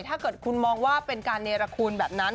ถ้าเกิดคุณมองว่าเป็นการเนรคูณแบบนั้น